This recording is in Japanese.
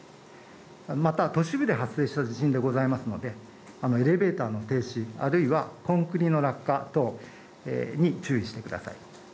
また都市部で発生した地震でございますので、エレベーターの停止、あるいは、コンクリートの落下等に注意してください